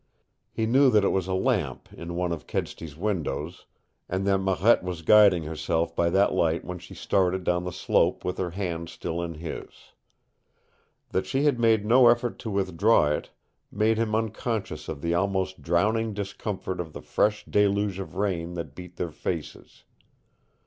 He knew that it was a lamp in one of Kedsty's windows and that Marette was guiding herself by that light when she started down the slope with her hand still in his. That she had made no effort to withdraw it made him unconscious of the almost drowning discomfort of the fresh deluge of rain that beat their faces.